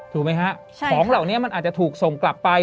ถูกไหมฮะของเหล่านี้มันอาจจะถูกส่งกลับไป